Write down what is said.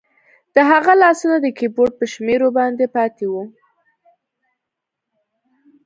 د هغه لاسونه د کیبورډ په شمیرو باندې پاتې وو